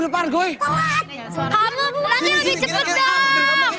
nanti lebih cepet dong